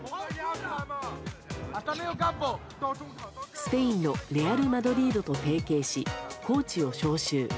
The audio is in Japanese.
スペインのレアル・マドリードと提携しコーチを招集。